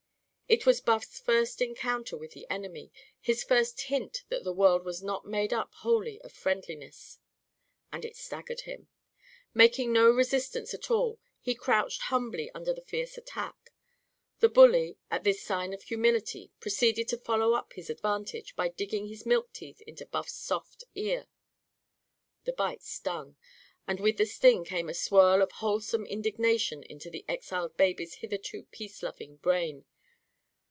It was Buff's first encounter with an enemy his first hint that the world was not made up wholly of friendliness. And it staggered him. Making no resistance at all, he crouched humbly under the fierce attack. The bully, at this sign of humility, proceeded to follow up his advantage by digging his milk teeth into Buff's soft ear. The bite stung, and with the sting came a swirl of wholesome indignation into the exiled baby's hitherto peace loving brain.